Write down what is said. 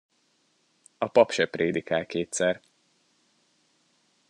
A pap se prédikál kétszer.